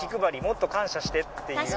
もっと感謝してっていう。